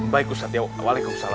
baik ustadz ya waalaikumsalam